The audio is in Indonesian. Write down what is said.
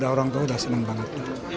orang tua udah senang banget